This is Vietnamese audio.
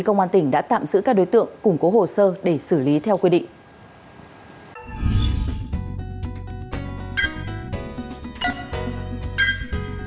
công an tỉnh đã tạm giữ các đối tượng củng cố hồ sơ để xử lý theo quy định